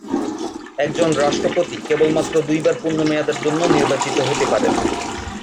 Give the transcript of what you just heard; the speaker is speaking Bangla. একজন রাষ্ট্রপতি কেবল মাত্র দুইবার পূর্ণ মেয়াদের জন্য নির্বাচিত হতে পারেন।